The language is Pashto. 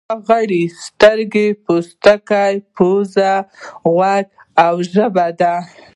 دا غړي سترګې، پوستکی، پزه، غوږ او ژبه دي.